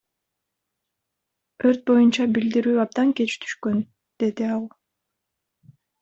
Өрт боюнча билдирүү абдан кеч түшкөн, — деди ал.